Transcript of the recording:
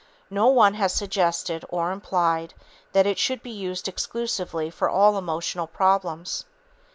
No one has suggested or implied that it should be used exclusively for all emotional problems.